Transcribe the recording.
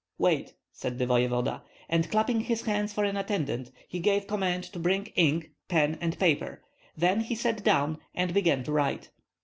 "Wait!" said the voevoda. And clapping his hands for an attendant, he gave command to bring ink, pen, and paper; then he sat down and began to write.